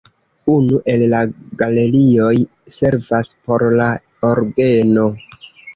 Unu el la galerioj servas por la orgeno.